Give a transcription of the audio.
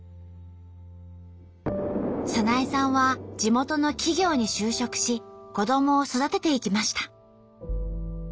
早苗さんは地元の企業に就職し子どもを育てていきました。